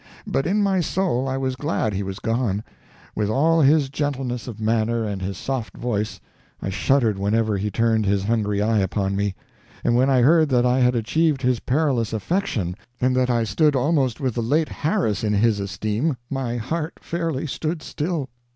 But in my soul I was glad he was gone. With all his gentleness of manner and his soft voice, I shuddered whenever he turned his hungry eye upon me; and when I heard that I had achieved his perilous affection, and that I stood almost with the late Harris in his esteem, my heart fairly stood still!